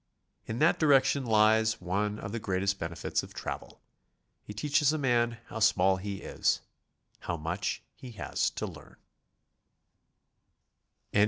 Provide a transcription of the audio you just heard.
In that di rection lies one of the greatest benefits of travel, — it teaches a man how small he is, how much he has to learn* APPENDIX.